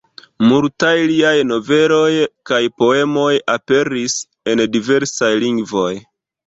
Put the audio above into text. Multaj liaj noveloj kaj poemoj aperis en diversaj lingvoj.